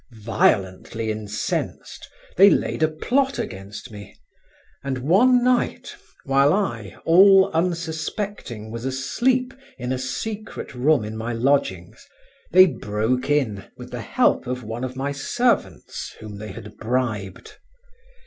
Violently incensed, they laid a plot against me, and one night, while I, all unsuspecting, was asleep in a secret room in my lodgings, they broke in with the help of one of my servants, whom they had bribed.